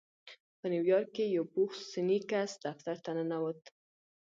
په نيويارک کې يو پوخ سنی کس دفتر ته ننوت.